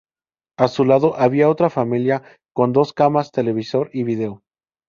A su lado había otra familiar con dos camas, televisor y video.